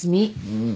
うん。